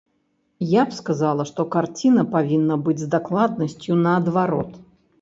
Я б сказала, што карціна павінна быць з дакладнасцю наадварот.